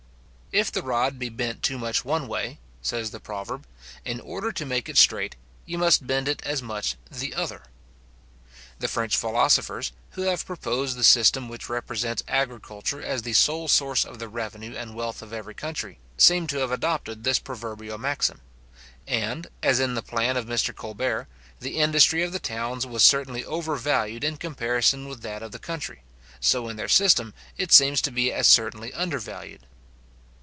If the rod be bent too much one way, says the proverb, in order to make it straight, you must bend it as much the other. The French philosophers, who have proposed the system which represents agriculture as the sole source of the revenue and wealth of every country, seem to have adopted this proverbial maxim; and, as in the plan of Mr. Colbert, the industry of the towns was certainly overvalued in comparison with that of the country, so in their system it seems to be as certainly under valued.